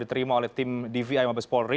diterima oleh tim dvm abes polri